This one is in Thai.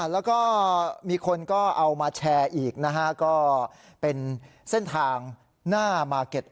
แล้วก็มีคนก็เอามาแชร์อีกนะฮะก็เป็นเส้นทางหน้ามาร์เก็ต